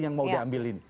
yang mau diambilin